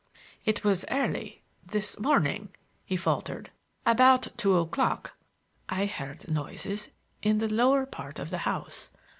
"It was early this morning," he faltered, "about two o'clock, I heard noises in the lower part of the house.